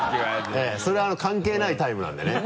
それ関係ないタイムなんでね。